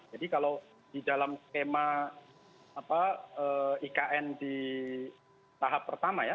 jadi kalau di dalam skema ikn di tahap pertama ya